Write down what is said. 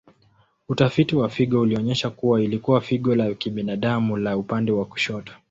Utafiti wa figo ulionyesha kuwa ilikuwa figo la kibinadamu la upande wa kushoto.